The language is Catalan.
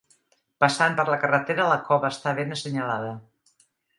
Passant per la carretera la cova està ben assenyalada.